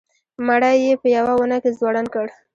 مړی یې په یوه ونه کې ځوړند کړ.